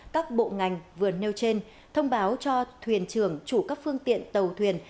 các bộ ngành vừa nêu trên thông báo cho thuyền trưởng chủ các phương tiện tàu thuyền